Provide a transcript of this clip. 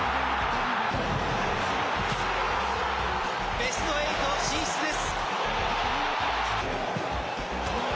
ベストエイト進出です。